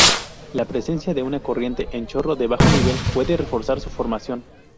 La presencia de una corriente en chorro de bajo nivel puede reforzar su formación.